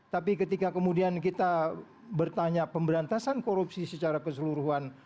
tapi ketika kemudian kita bertanya pemberantasan korupsi secara keseluruhan